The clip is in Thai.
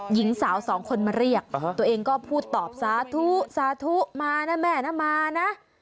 หญิงสาวสองคนมาเรียกตัวเองก็พูดตอบสาธุสาธุมานะแม่นะมานะ